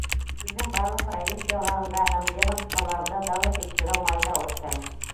Илдең барлыҡ провинцияларында һәм ведомстволарында тәүге тикшереү майҙа үткән.